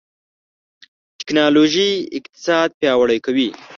ټکنالوژي اقتصاد پیاوړی کوي.